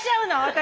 私。